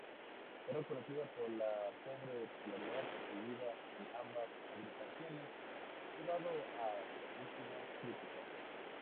Es reconocida por la pobre popularidad conseguida en ambas agrupaciones, llevado a durísimas criticas.